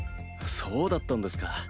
そうだったんですか。